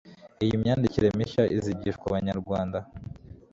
iyi myandikire mishya izigishwa Abanyarwanda